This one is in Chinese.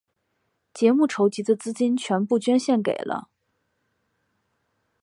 节目筹集的资金全部捐献给了。